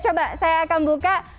apa yang itu